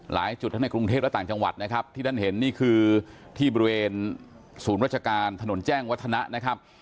หลายจุดทั้งในกรุงเทพและต่างจังหวัดนะครับที่ท่านเห็นนี่คือที่บริเวณศูนย์วัชการถนนแจ้งวัฒนะนะครับ